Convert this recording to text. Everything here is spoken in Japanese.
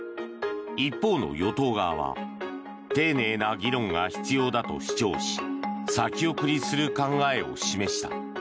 一方の与党側は丁寧な議論が必要だと主張し先送りする考えを示した。